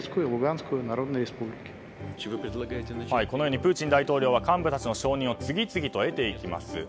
このようにプーチン大統領は幹部たちの承認を次々と得ていきます。